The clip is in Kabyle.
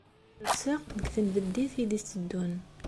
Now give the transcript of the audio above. Ad rseɣ deg tenbeddit ay d-yetteddun.